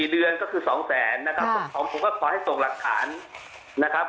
เดือนก็คือ๒แสนนะครับผมก็ขอให้ส่งหลักฐานนะครับ